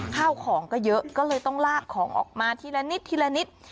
ข้าวของก็เยอะก็เลยต้องลากของออกมาทีละนิดทีละนิด